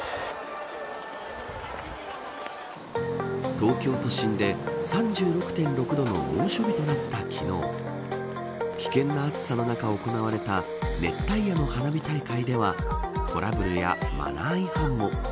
東京都心で３６．６度の猛暑日となった昨日危険な暑さの中行われた熱帯夜の花火大会ではトラブルやマナー違反も。